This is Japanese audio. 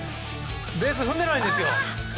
ベース踏んでないんですよ。